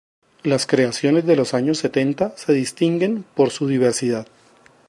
Las creaciones de los años setenta se distinguen por su diversidad.